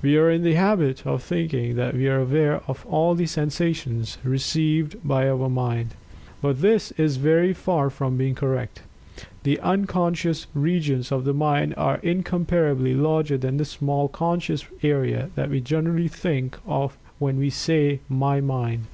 We are in the habit of thinking that we are aware of all the sensations received by our mind. But this is very far from being correct. The unconscious regions of the mind are incomparably larger than the small conscious area that we generally think of when we say "my mind."